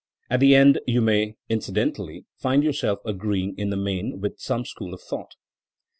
At the end you may, incidentally, find yourself agreeing in the main with some school of thought.